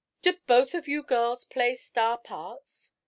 "Do both of you girls play star parts?"